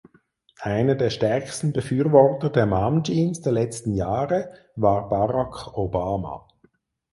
Einer der stärksten Befürworter der Mom Jeans der letzten Jahre war Barack Obama.